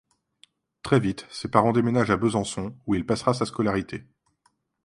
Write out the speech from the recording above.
Très vite, ses parents déménagent à Besançon où il passera sa scolarité.